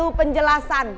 aku mau bikin jelasan